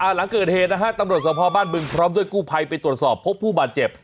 หลังเกิดเหตุนะฮะตำรวจสภบ้านบึงพร้อมด้วยกู้ภัยไปตรวจสอบพบผู้บาดเจ็บ